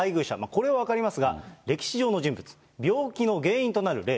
これは分かりますが、歴史上の人物、病気の原因となる霊。